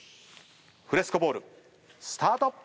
フレスコボールスタート！